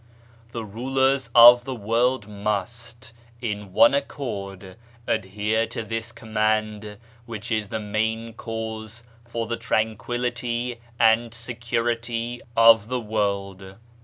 The rulers of the world must, in one accord, adhere to this command which is the main cause for the tranquillity and security of the world."